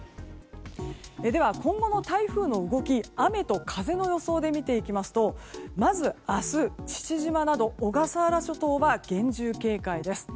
今後の台風の動き雨と風の予想で見ていきますとまず明日父島など小笠原諸島は厳重警戒です。